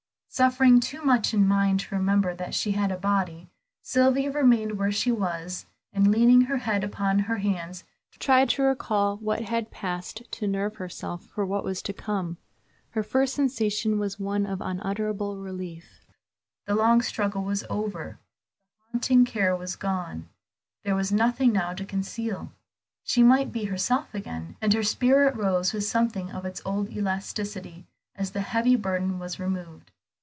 Suffering too much in mind to remember that she had a body, Sylvia remained where she was, and leaning her head upon her hands tried to recall what had passed, to nerve herself for what was to come. Her first sensation was one of unutterable relief. The long struggle was over; the haunting care was gone; there was nothing now to conceal; she might be herself again, and her spirit rose with something of its old elasticity as the heavy burden was removed.